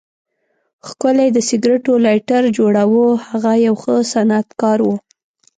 ښکلی د سګریټو لایټر جوړاوه، هغه یو ښه صنعتکار و.